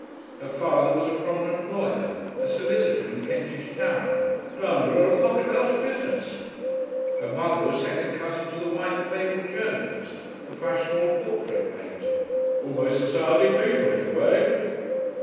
Her father was a prominent lawyer, a solicitor in Kentish Town, "done a lot of public house business"; her mother was second cousin to the wife of Abel Jones, the fashionable portrait painter "almost Society people in a way."